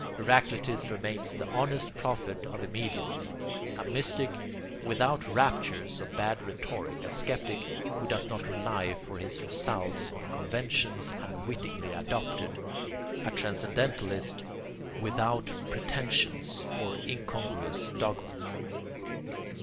Heraclitus remains the honest prophet of immediacy: a mystic without raptures or bad rhetoric, a sceptic who does not rely for his results on conventions unwittingly adopted, a transcendentalist without false pretensions or incongruous dogmas.